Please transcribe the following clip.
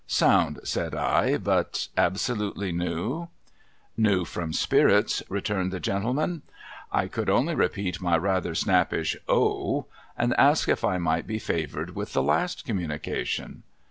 "''' bound," said I ;' but, absolutely new ?' SPIRITUAL INTERCOURSE 201 ' New from spirits,' returned the gentleman, I could only repeat my rather snappish ' O !' and ask if I might be favoured with the last communication.